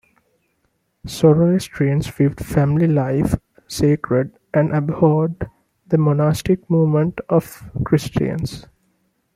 Zoroastrians viewed family life sacred and abhorred the monastic movement of the Christians.